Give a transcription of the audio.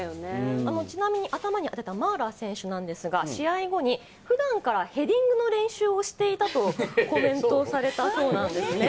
ちなみに、頭に当てたマーラー選手なんですが、試合後に普段からヘディングの練習をしていたとコメントをされたそうなんですね。